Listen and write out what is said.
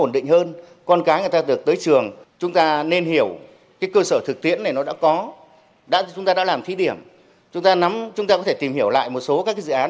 điều tiễn này nó đã có chúng ta đã làm thí điểm chúng ta có thể tìm hiểu lại một số các dự án